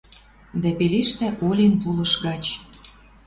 Дӓ пелештӓ олен пулыш гач: